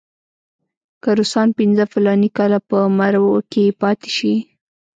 که روسان پنځه فلاني کاله په مرو کې پاتې شي.